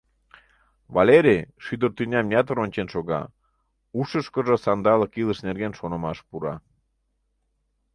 Валерий шӱдыр тӱням ятыр ончен шога, ушышкыжо сандалык илыш нерген шонымаш пура.